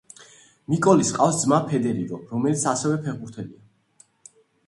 მიკოლის ჰყავს ძმა ფედერიკო, რომელიც ასევე ფეხბურთელია.